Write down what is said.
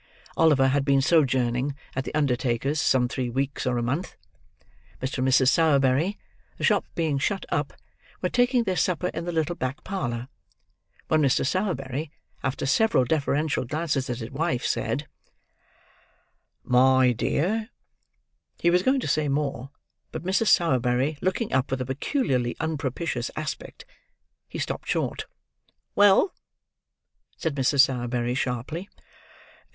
Oliver had been sojourning at the undertaker's some three weeks or a month. Mr. and Mrs. Sowerberry—the shop being shut up—were taking their supper in the little back parlour, when Mr. Sowerberry, after several deferential glances at his wife, said, "My dear—" He was going to say more; but, Mrs. Sowerberry looking up, with a peculiarly unpropitious aspect, he stopped short. "Well," said Mrs. Sowerberry, sharply.